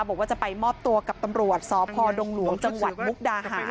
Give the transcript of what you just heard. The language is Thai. บอกว่าจะไปมอบตัวกับตำรวจสพดงหลวงจังหวัดมุกดาหาร